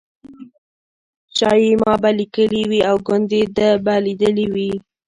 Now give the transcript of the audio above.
شایي ما به لیکلي وي او ګوندې ده به لیدلي وي.